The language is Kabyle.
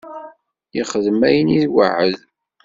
Yexdem ayen i iweɛɛed.